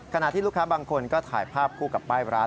ขณะที่ลูกค้าบางคนก็ถ่ายภาพคู่กับป้ายร้าน